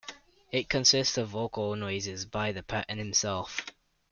It consists of vocal noises by Patton himself.